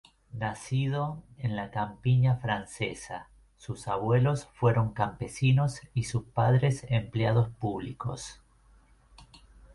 Nacido en la campiña francesa, sus abuelos fueron campesinos y sus padres empleados públicos.